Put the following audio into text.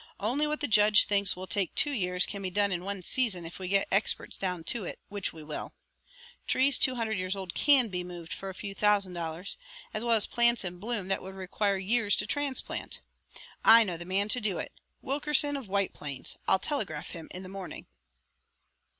Only what the judge thinks will take two years can be done in one season if we get experts down to do it, which we will. Trees two hundred years old can be moved for a few thousand dollars, as well as plants in bloom that would require years to transplant. I know the man to do it: Wilkerson of White Plains. I'll telegraph him in the morning."